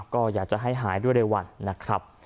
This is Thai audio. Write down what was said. ก็อยากจะให้หายด้วยเร็ววันนะครับ